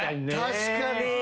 確かに！